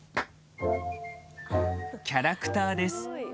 キャラクターです。